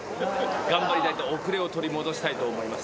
頑張りたいと、遅れを取り戻したいと思います。